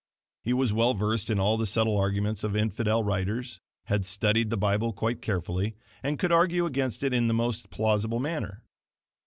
He was well versed in all the subtle arguments of infidel writers, had studied the Bible quite carefully, and could argue against it in the most plausible manner.